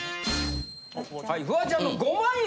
はいフワちゃんの５万円！